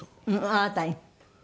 あなたに。